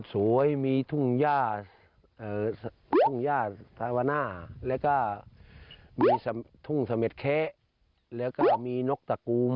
สวยมีทุ่งหญ้าทาวนาและก็มีทุ่งสะเม็ดแคะและก็มีนกตะกู้ม